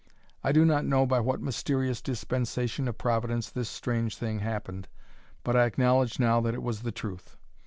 I do not know by what mysterious dispensation of Providence this strange thing happened, but I acknowledge now that it was the truth.